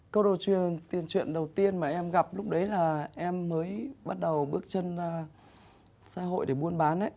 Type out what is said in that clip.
câu đầu tiên chuyện đầu tiên mà em gặp lúc đấy là em mới bắt đầu bước chân xã hội để buôn bán ấy